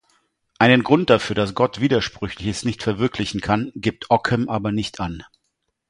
Einen Grund dafür, dass Gott Widersprüchliches nicht verwirklichen kann, gibt Ockham aber nicht an.